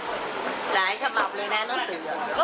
หลายฉบับเลยนะหนังสือ